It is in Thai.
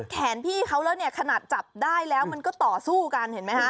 แขนพี่เขาแล้วเนี่ยขนาดจับได้แล้วมันก็ต่อสู้กันเห็นไหมฮะ